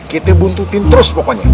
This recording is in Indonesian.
kita buntutin terus pokoknya